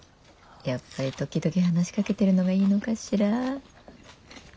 やっぱり時々話しかけてるのがいいのかしら。